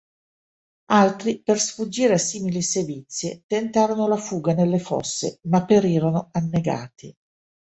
Altri per sfuggire a simili sevizie tentarono la fuga nelle fosse ma perirono annegati.